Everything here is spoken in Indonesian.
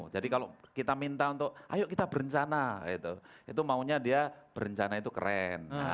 jadi kalau kita minta untuk ayo kita berencana itu maunya dia berencana itu keren